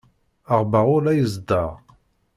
Aɣerrabu la izedder!